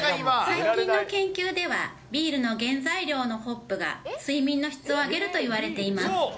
最近の研究では、ビールの原材料のホップが、睡眠の質を上げるといわれています。